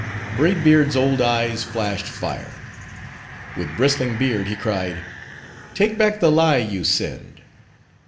Braid Beard's old eyes flashed fire. With bristling beard, he cried, "Take back the lie you send!"